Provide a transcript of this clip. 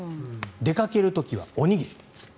出かける時はおにぎり。